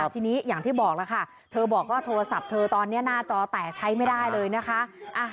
ทีนี้อย่างที่บอกแล้วค่ะเธอบอกว่าโทรศัพท์เธอตอนนี้หน้าจอแตกใช้ไม่ได้เลยนะคะ